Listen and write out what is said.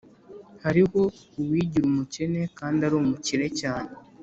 hariho uwigira umukene kandi ari umukire cyane